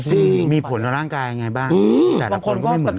จริงมีผลในร่างกายยังไงบ้างหือแต่อาจารย์คนก็ไม่เหมือนกัน